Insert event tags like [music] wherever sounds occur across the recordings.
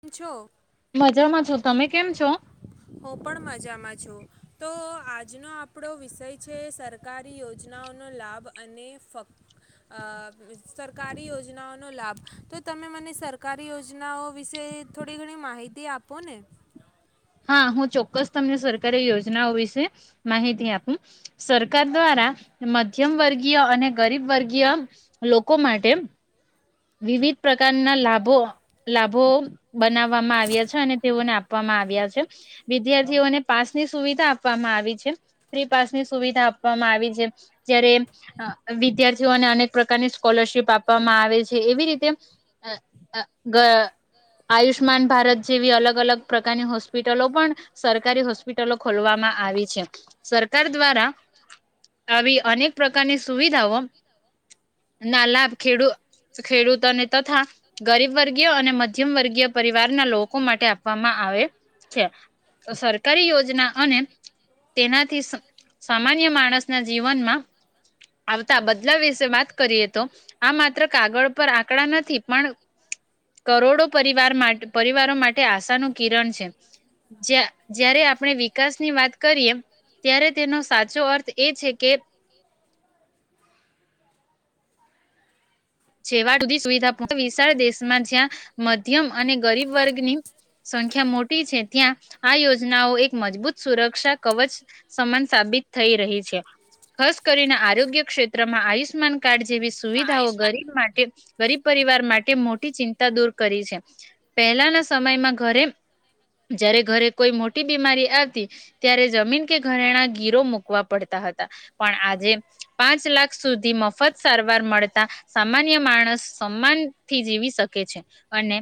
પૂછો. મજામાં છો, તમે કેમ છો? છો. તો આજનો આપણો વિષય છે સરકારી યોજનાઓનો લાભ. અને ફક્ સરકારી યોજનાઓનો લાભ. તો તમે મને સરકારી યોજનાઓ વિશે થોડી ઘણી માહિતી આપો ને. હા હું ચોક્કસ તમને સરકારી યોજનાઓ વિશે માહિતી આપું સરકાર દ્વારા મધ્યમ વર્ગીય અને ગરીબ વર્ગીય લોકો માટે વિવિધ પ્રકારના લાભો લાભો બનાવવામાં આવ્યા છે અને તેઓને આપવામાં આવ્યા છે વિધ્યાર્થીઓને પાસની સુવિધા આપવામાં આવી છે ફ્રી પાસની સુવિધા આપવામાં આવી છે જય્યારે વિદ્યાર્થીઓને અનેક પ્રકારની સ્કોલરશીપ આપવામાં આવે છે. એવી રીતે આયુષ્માન ભારત જેવી અલગ અલગ પ્રકારની હોસ્પિટલો પણ સરકારી હોસ્પિટલો ખોલવામાં આવી છે સરકાર દ્વારા આવી અનેક પ્રકારની સુવિધાઓ ના લાભ ખેડૂત ખેડૂતોને તથા ગરીબ વર્ગય અને મધ્યમ વર્ગીય પરિવારના લોકો માટે આપવામાં આવે છે સરકારી યોજના અને તેનાથી સામાન્ય માણસના જીવનમાં આવતા બદલા વિશે વાત કરીએ તો આ માત્ર કાગળ પર આંકડા નથી પણ કરોડો પરિવાર માટે પરિવારો માટે આશાનું કિરણ છે જ જ્યારે આપણે વિકાસની વાત કરીએ ત્યારે તેનો સાચો અર્થ એ છે કે જેવા સુધી સુવિધા પ વિશાળ દેશમાં જ્યાં મધ્યમ અને ગરીબ વર્ગની સંખ્યા મોટી છે ત્યાં આ યોજનાઓ એક મજબૂત સુરક્ષા કવચ સમાન સાબિત થઈ રહી છે ખાસ કરીને આરોગ્ય ક્ષેત્રમાં આયુષ્યમાન કાર્ડ જેવી સુવિધાઓ ગરી ગરીબ પરિવાર માટે મોટી ચિંતા દૂર કરી છે પહેલાના સમયમાં ઘરે જારે ઘરે કોઈ મોટી બીમારી આવતી ત્યારે જમીન કે ઘરેણા ગીરો મૂકવા પડતા હતા પણ આજે પાંચ લાખ સુધી મફત સારવાર મળતા સામાન્ય માણસ સમાનથી જીવી શકે છે અને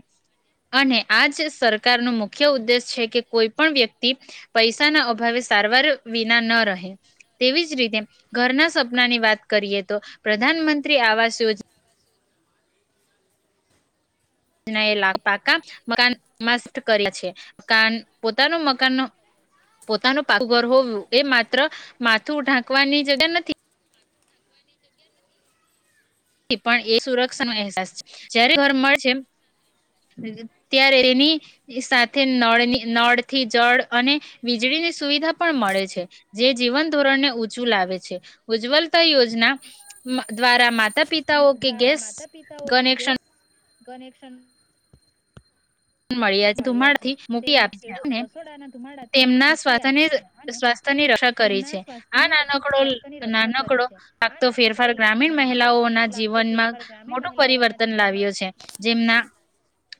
અને આજ સરકાર ન મુખ્ય ઉદ્દેશ છે કે કોઈ પણ વ્યક્તિ પૈસાના અભાવે સારવાર વિના ન રહે તેવી જ રીતે ઘરના સપનાની વાત કરીએ તો પ્રધાનમંત્રી આવાસ યોજના એ પાકા મકાન મા કર્યા છેાન પોતાનું મકાન પોતાનું પાકું ઘર હોવું એ માત્ર માથું ઢાંકવાની જગ્યા નથી પણ એ સુરક્ષાનો અહેસાસ છે જયારે ઘર મળ છે ત્યારે એની સાથે નળની નળ થી જળ અને વીજળીની સુવિધા પણ મળે છે જે જીવન ધોરણને ઉચું લાવે છે ઉજ્જવલતા યોજના દ્વારા માત્ર તા પિતાઓ કે ગેસ કનેક્શન કનેક્શન મળ્યા ધુમાડથી મૂકી આપી છે અને તેમના સ્વાથની સ્વાસ્થ્યની રક્ષા કરી છે આ નાનકડો નાનકડો પાતો ફેરફાર ગ્રામીણ મહિલાઓના જીવનમાં મોટું પરિવર્તન લાવ્યો છે જેમના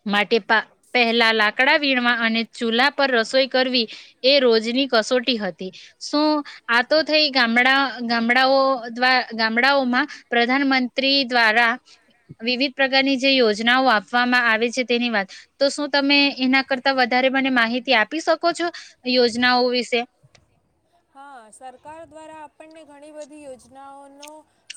માટે [unintelligible] પહેલા લાકડા વીણવા અને ચૂલા પર રસોઈ કરવી એ રોજની કસોટી હતી શું આતો થઈ ગામડા ગામડાઓ દ ગામડાઓમાં પ્રધાનમંત્રી દ્વારા વિવિધ પ્રકારની જે યોજનાઓ આપવામાં આવે છે તેની વાત. તો શું તમે એના કરતા વધારે મને માહિતી આપી શકો છો યોજનાઓ વિશે. હા સરકાર દ્વારા આપણને ઘણી બધી યોજનાઓનો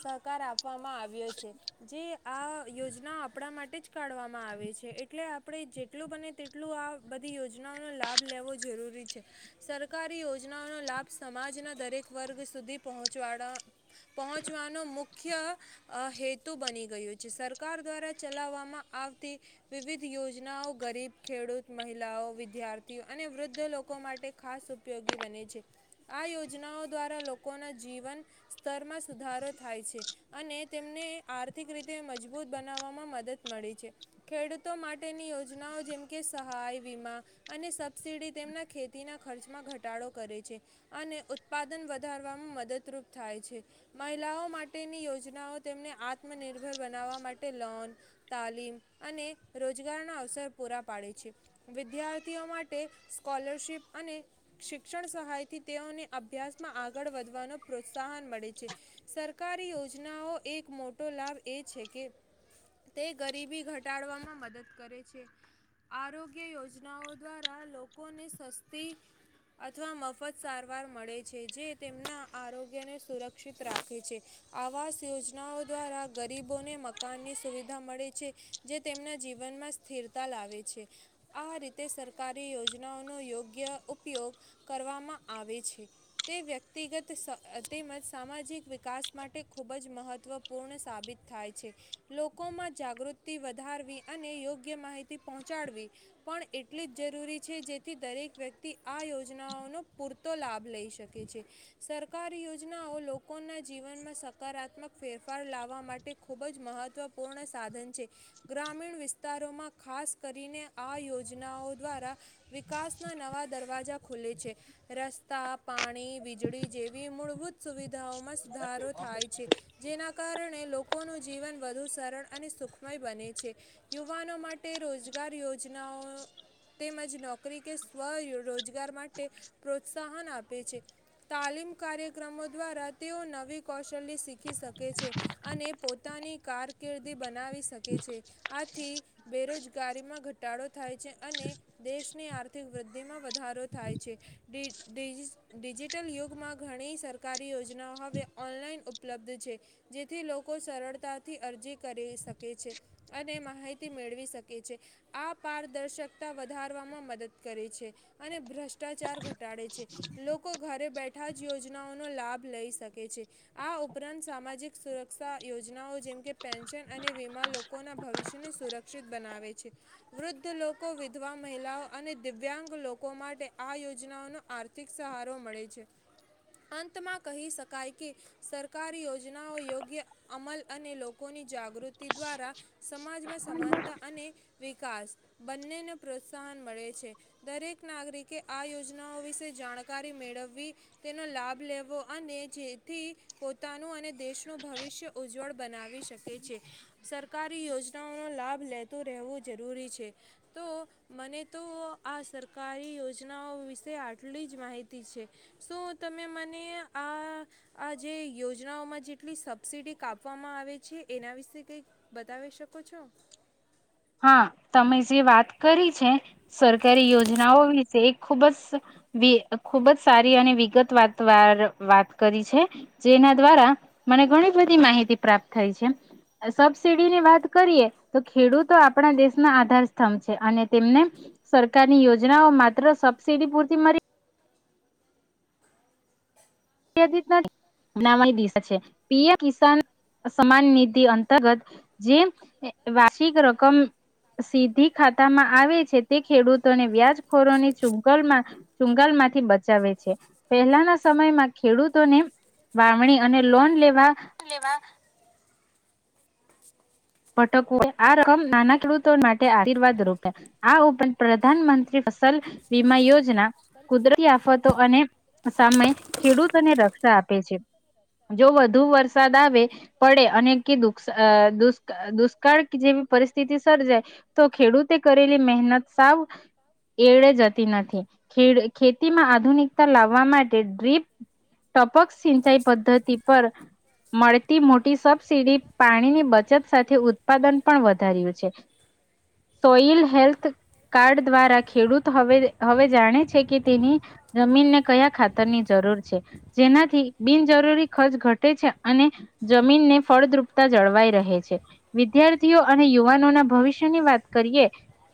સહકાર આપવામાં આવ્યો છે જે આ યોજના આપણા માટે જ કાઢવામાં આવે છે એટલે આપણે જેટલું બને તેટલું આ બધી યોજનાઓનો લાભ લેવો જરૂરી છે સરકારી યોજનાઓનો લાભ સમાજના દરેક વર્ગ સુધી પહોચવા પહોચવાનો મુખ્ય હેતુ બની ગયયો છે સરકાર દ્વારા ચલાવવામાં આવતી વિવિધ યોજનાઓ ગરીબ ખેડૂત મહિલાઓ વિદ્યાર્થીઓ અને વૃદ્ધ લોકો માટે ખાસ ઉપયોગી બને છે. આ યોજનાઓ દ્વારા લોકોના જીવન સ્તરમાં સુધારો થાય છે અને તેમને આર્થિક રીતે મજબૂત બનાવવામાં મદદ મળે છે ખેડૂતો માટેની યોજનાઓ જેમકે સહાય વીમા અને સબસિડી તેમના ખેતીના ખર્ચમાં ઘટાડો કરે છે. અને ઉત્પાદન વધારવામાં મદદરૂપ થાય છે મહિલાઓ માટેની યોજનાઓ તેમને આત્મનિર્ભર બનાવવા માટે લોન તાલીમ અને રોજગારના અવસર પૂરા પાડે છે વિદ્યાર્થીઓ માટે સ્કોલરશિપ અને શિક્ષણ સહાયથી તેઓને અભ્યાસમાં આગળ વધવાનો પ્રોત્સાહન મળે છે સરકારી યોજનાઓ એક મોટો લાભ એ છે કે તે ગરીબી ઘટાડવામાં મદદ કરે છે આરોગ્ય યોજનાઓ દ્વારા લોકોને સસ્તી અથવા મફત સારવાર મળે છે જે તેમના આરોગ્યને સુરક્ષિત રાખે છે આવાસ યોજનાઓ દ્વારા ગરીબોને મકાનની સુવિધા મળે છે જે તેમના જીવનમાં સ્થિરતા લાવે છે આ રીતે સરકારી યોજનાઓનો યોગ્ય ઉપયોગ કરવામાં આવે છે તે વ્યક્તિગત તેમજ સામાજિક વિકાસ માટે ખૂબ જ મહત્ત્વપૂર્ણ સાબિત થાય છે લોકોમાં જાગૃતિ વધારવી અને યોગ્ય માહિતી પહોંચાડવી પણ એટલી જ જરૂરી છે જેથી દરેક વ્યક્તિ આ યોજનાઓનું પૂરતો લાભ લઈ શકે છે સરકારી યોજનાઓ લોકો લોકોના જીવનમાં સકારાત્મક ફેરફાર લાવવા માટે ખૂબ જ મહત્વ મહવપૂર્ણ સાધન છે. ગ્રામીણ વિસ્ત વિસ્તારોમાં ખાસ કરીને આ યોજનાઓ દ્વારા વિકાસ ના નવા દરવાજા ખુલે છે. રસ્તા પાણી વીજળી જેવી મૂળભૂત સુવિ ધમસ સુધારો થાય છે જેના કારણે લોકોનું જીવન વધુ સરળ અને સુખમય બને છે યુવાનો માટે રોજગાર યોજનાઓ તેમજ નોકરી કે સ્વ રોજગાર માટે પ્રોત્સાહન આપે છે તાલીમ કાર્યક્રમો દ્વારા તેઓ નવી કૌશલ્ય શીખી શકે છે અને પોતાની કારકિર્દી બનાવી શકે છે આથી બેરોજગારીમાં ઘટાડો થાય છે અને દેશની આર્થિક વૃદ્ધિમાં વધારો થાય છે. ડિ ડિ ડિજિટલ યુગમાં ઘણી સરકારી યોજનાઓ હવે ઓનલાઈન ઉપલબ્ધ છે જેથી લોકો સરળતાથી અરજી કરી શકે છે અને માહિતી મેળવી શકે છે આ પારદર્શકતા વધારવામાં મદદ કરે છે અને ભ્રષ્ટાચાર ઘટ ઘટાડે છે, લોકો ઘરે બેઠા જ યોજનાઓનો લાભ લઈ શકે છે આ ઉપરાંત સામાજિક સુરક્ષા યોજનાઓ જેમકે પેન્શન અને વીમા લોકોના ભવિષ્યને સુરક્ષિત બનાવે છે વૃદ્ધ લોકો વિધવા મહિલાઓ અને દિવ્યાંગ લોકો માટે આ યોજ યોજનાઓનો આર્થિક સહારો મળે છે અંતમાં કહી શકાય કે સરકારી યોજનાઓ યોગ્ય અમલ અને લોકોની જાગૃતિ દ્વારા સમાજમાં સમાનતા અને વિકાસ બંનેને પ્રોત્સાહન મળે છે દરેક નાગરિકે આ યોજના યોજના વિશે જાણકારી મેળવવી તેનો લાભ લેવો અને જેથી પોતાનું અને દેશનું ભવિષ્ય ઉજ્જવળ બનાવી શકે છે સરકારી યોજનાઓનો લાભ લેતું રહેવું જરૂરી છે તો મને તો આ સરકારી યોજનાઓ વિ તે આટલી જ માહિતી છે શું તમે મને આ આ જે યોજનાઓમાં જેટલી સબસિડી કાપવામાં આવે છે એના વિશે કંઈક બતાવી શકો છો? હા તમે જે વાત કરી છે સરકારી યોજનાઓ વિશે એ ખુબ જ ખુબ જ સારી અને વિગત વાત વાર વાત કરી છે જેના દ્વારા મને ઘણી બધી માહિતી પ્રાપ્ત થઈ છે સબસીડીની વાત કરીએ તો ખેડૂત તો આપણા દેશ ના આધારસ્તંભ છે અને તેમને સરકારની યોજનાઓ માત્ર સબસીિડી પૂરતી મળી [unintelligible] પીએમ કિસાન સમાન નિધિ અંતર્ગત જે વાર્ષિક રકમ સીધી ખાતા માં આવે છે તે ખેડૂતોને વ્યાજખોરોની ચુંગલમાં ચુંગાલ માંથી બચાવે છે પહેલાના સમયમાં. ખેડૂતોને વાવણી અને લોન લેવા લેવા. આ રકમ નાના ખેડૂતો માટે આશીર્વાદ રૂપે આ ઉપરાંત પ્રધાનમંત્રી ફસલ વીમા યોજના કુદરતી આફતો અને સામે ખેડૂતોને રક્ષા આપે છે જો વધુ વરસાદ આવે પડે અને કે દુ દુષ્કાળ કે જેવી પરિસ્થિતિ સર્જાય. તો ખેડૂતે કરેલી મહેનત સાવ એડે જતી નથી ખેતીમાં આધુનિકતા લાવવા માટે ડ્રીપ ટપક સિંચાઈ પદ્ધતિ પર મળતી મોટી સબસીડી પાણી ની બચત બચત સાથે ઉત્પાદન પણ વધાર્યું છે સોઈલ હેલ્થ કાર્ડ દ્વારા ખેડૂત હવે હવે જાણે છે કે તેની જમીનને કયા ખાતરની જરૂર છે જેનાથી બિનજરૂરી ખર્ચ ઘટે છે અને જમીનને ફળદ્રુપતા જળવાઈ રહે છે. વિદ્યાર્થીઓ અને યુવાનો ના ભવિષ્યની વાત કરીએ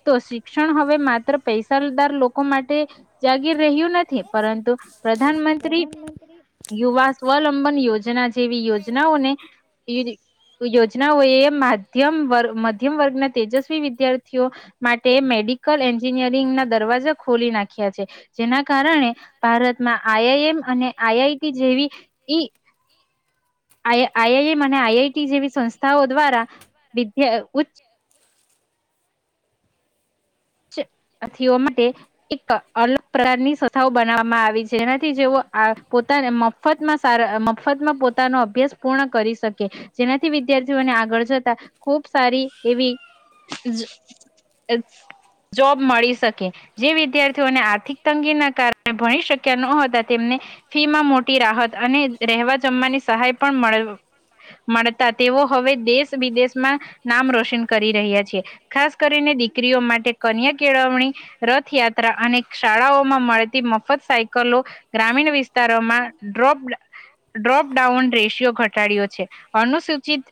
તો શિક્ષણ હવે માત્ર પૈસાદાર લોકો માટે જાગીર રહ્યું નથી. પરંતુ પ્રધાનમંત્રી યુવા સ્વલંબન યોજના જેવી યોજનાઓને ઓએ માધ્યમ મધ્યમ વર્ગના તેજસ્વી વિદ્યાર્થીઓ માટે તે મેડિકલ એન્જિનિયરિંગ ના દરવાજા ખોલી નાખ્યા છે જેના કારણે ભારતમાં આઈઆઈએમ અને આઈઆઈટી જેવીઈ આઈઆઈએમ અને આઈઆઈટી જેવી સંસ્થા નાઓ દ્વારા બીખે ઉચ ચ સાથીઓ માટે એક અલગ પ્રકારની [unintelligible] બનાવવામાં આવી જેનાથી જેઓ આ પોત ધારે મફતમાં સારા મફતમાં પોતાનો અભ્યાસ પૂર્ણ કરી શકે, જેનાથી વિદ્યાર્થીઓને આગળ જતા ખૂબ સારી એવી જ અહ જોબ મળી શકે, જે વિદ્યાર્થીઓને આર્થિક તંગીના કારણે ભણી શક્યા ન હતા તેમને ફી માં મોટી રાહત અને રહેવા જમવાની સહાય પણ મળ મળતા, તેઓ હવે દેશ વિદેશમાં નામ રોશન કરી રહ્યા છે. ખાસ કરીને દીકરીઓ માટે. કન્યા કેળવણી રથયાત્રા અને શાળાઓમાં મળતી મફત સાયકલો ગ્રામીણ વિસ્તારોમાં ડ્રોપ-ડ્રોપડાઉન રેશિયો ઘટાડ્યો છે. અનુસૂચિત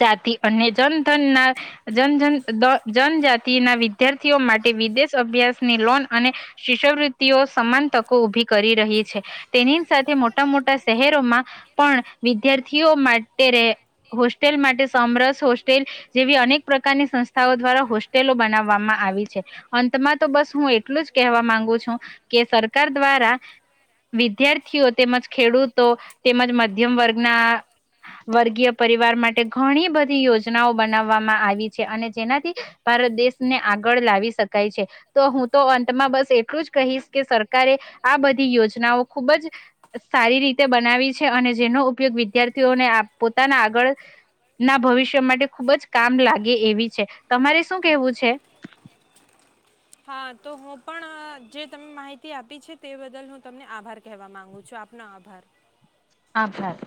જાતિ અને જનધન ના જન-જન દો જનજાતિ તિ ના વિદ્યાર્થીઓ માટે વિદેશ અભ્યાસની લોન અને શિષ્યવૃતિઓ સમાન તકો ઉભી કરી રહી છે. તેની સાથે મોટા-મોટા શહેરોમાં પણ વિદ્યાર્થીઓ માટે રહે હોસ્ટેલ માટે સમરસ હોસ્ટેલ જેવી અનેક પ્રકારની સંસ્થાઓ દ્વારા હોસ ટેલો બનાવવામાં આવી છે. અંતમાં તો બસ હું એટલું જ કહેવા માંગુ છું કે સરકાર દ્વારા વિદ્યાર્થીઓ તેમજ ખેડૂતો તેમજ મધ મધ્યમ વર્ગના વર્ગીય પરિવાર માટે ઘણી બધી યોજનાઓ બનાવવામાં આવી છે અને જેનાથી ભારત દેશ ને આગળ લાવી શકાય છે. તો હું તો અંતમાં બસ એટલું જ કહીશ કે સરકારે આ બધી યોજનાઓ ખુબ જ સારી રીતે બનાવી છે અને જેનો ઉપયોગ વિદ્યાર્થીઓને આ પોતાના આગળ ના ભવિષ્ય માટે ખુબ જ કામ લાગે એવી છે. તમારી શું કેવું છે? હા તો હું પણ જે તમે માહિતી આપી છે તે બદલ હું તમને આભાર કહેવા માંગુ છું, આપનો આભાર. આભાર.